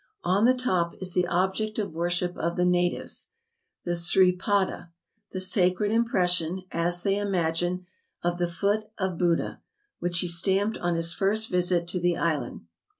On the top is the object of worship of the natives, the Sree pada, the sacred impression, as they imagine, of the foot of Boodhoo, which he stamped on his first visit to the island.